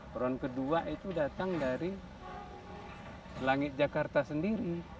peron kedua itu datang dari langit jakarta sendiri